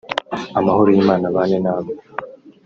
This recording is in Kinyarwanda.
Amahoro y’Imana abane namwe